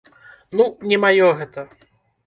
Ну, не маё гэта.